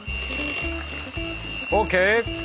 オーケー。